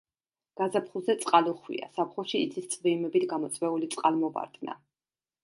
გაზაფხულზე წყალუხვია, ზაფხულში იცის წვიმებით გამოწვეული წყალმოვარდნა.